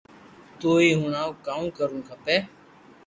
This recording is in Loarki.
تو ھي ھڻاو ڪاو ڪروُ کپي